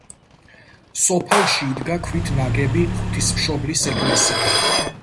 სოფელში იდგა ქვით ნაგები ღვთისმშობლის ეკლესია.